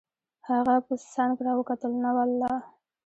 هغه په څنګ را وکتل: نه والله.